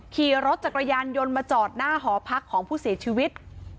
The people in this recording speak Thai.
ขี่รถจักรยานยนต์มาจอดหน้าหอพักของผู้เสียชีวิต